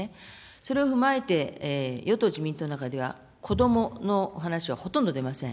それを踏まえて、与党・自民党の中では、子どもの話はほとんど出ません。